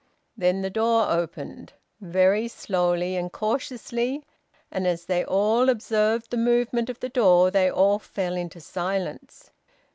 Then the door opened, very slowly and cautiously, and as they all observed the movement of the door, they all fell into silence.